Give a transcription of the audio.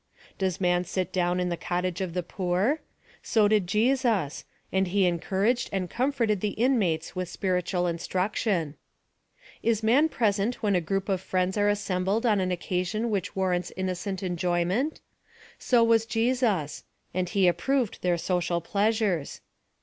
Does man sit down in the cottage ot the poor ? So did Jesus : and he encouraged and comforted the inmates with spiritual instruction. Is man present when a group of friends are assembled on an occasion which war rants innocent enjoyment ? So was Jesus ; and he approved their social pleasures.